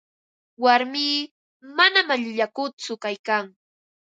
Warmii manam allillakutsu kaykan.